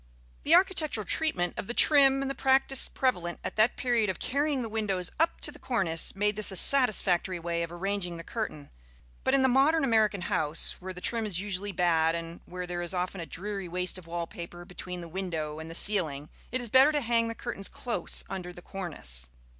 The architectural treatment of the trim, and the practice prevalent at that period of carrying the windows up to the cornice, made this a satisfactory way of arranging the curtain; but in the modern American house, where the trim is usually bad, and where there is often a dreary waste of wall paper between the window and the ceiling, it is better to hang the curtains close under the cornice.